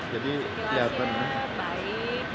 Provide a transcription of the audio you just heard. sekilas ya baik bagus rapi